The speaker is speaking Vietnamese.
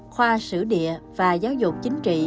khoa sửa địa và giáo dục chính trị